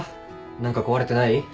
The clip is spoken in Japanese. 何か壊れてない？